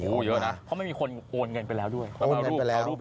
โอ้โหเยอะนะเพราะไม่มีคนโอนเงินไปแล้วด้วย